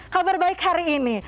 kabar baik hari ini